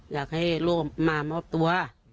อยากให้ลูกมามอบตัว